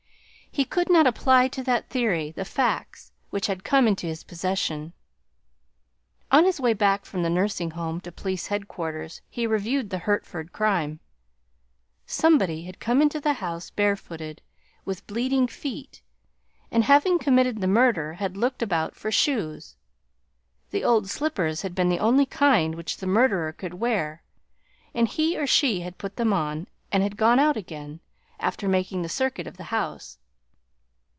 He could not apply to that theory the facts which had come into his possession. On his way back from the nursing home to police headquarters, he reviewed the Hertford crime. Somebody had come into the house bare footed, with bleeding feet, and, having committed the murder, had looked about for shoes. The old slippers had been the only kind which the murderer could wear, and he or she had put them on and had gone out again, after making the circuit of the house.